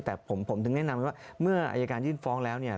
แต่ผมถึงแนะนำว่าเมื่ออายการยื่นฟ้องแล้วเนี่ย